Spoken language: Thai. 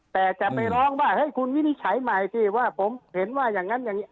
แต่จะไปร้องว่าให้คุณวินิจฉัยใหม่สิว่าผมเห็นว่าอย่างนั้นอย่างนี้